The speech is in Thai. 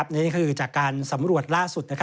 นี่คือจากการสำรวจล่าสุด